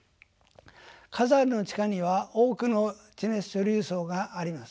火山の地下には多くの地熱貯留層があります。